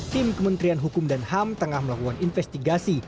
tim kementerian hukum dan ham tengah melakukan investigasi